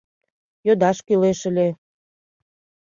— Йодаш кӱлеш ыле.